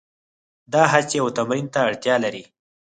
دا هڅې او تمرین ته اړتیا لري.